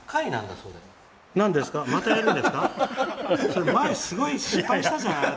それ前すごい失敗したじゃんあなた。